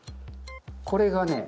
これがね